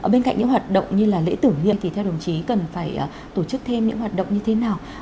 bên cạnh những hoạt động như lễ tử nghiệm thì theo đồng chí cần phải tổ chức thêm những hoạt động như thế nào